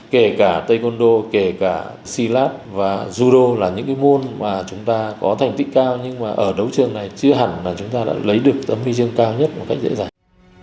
kể cả taekwondo kể cả silat và judo là những cái môn mà chúng ta có thành tích cao nhưng mà ở đấu trường này chưa hẳn là chúng ta đã lấy được tấm huy chương cao nhất một cách dễ dàng